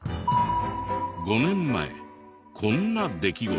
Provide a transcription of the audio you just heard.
５年前こんな出来事が。